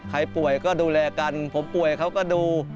ใครป่วยก็ดูแลกันผมป่วยเขาก็ดู